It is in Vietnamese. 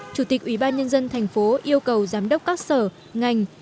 chủ tịch ủy ban nhân dân thành phố yêu cầu giám đốc các sở ngành